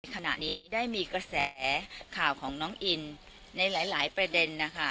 ขณะนี้ได้มีกระแสข่าวของน้องอินในหลายประเด็นนะคะ